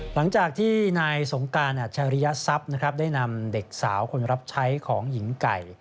หลังจากที่นายสงการอัจฉริยทรัพย์นะครับได้นำเด็กสาวคนรับใช้ของหญิงไก่